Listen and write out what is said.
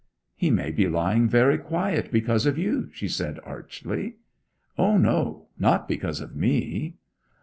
'He may be lying very quiet because of you,' she said archly. 'O, no not because of me!'